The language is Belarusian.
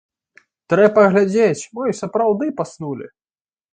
Трэ паглядзець, мо й сапраўды паснулі.